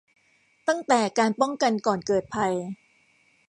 ตั้งแต่การป้องกันก่อนเกิดภัย